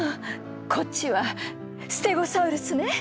こっちはステゴサウルスね。